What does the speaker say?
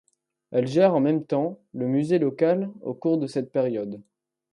Elle gère en même temps le musée local au cours de cette période.